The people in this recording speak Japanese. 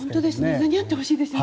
間に合ってほしいですね